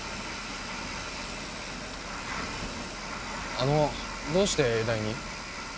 あのどうして永大に？